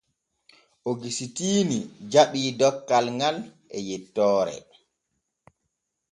Ogusitiini jaɓii dokkal ŋal e yettoore.